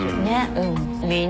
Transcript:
うん。